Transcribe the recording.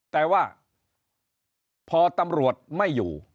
แต่ว่าพอตำรวจไม่อยู่